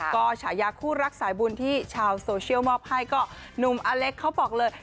ก็ฉายาคู่รักสายบุญที่ชาวโซเชียลมอบให้ก็หนุ่มอเล็กเขาบอกเลย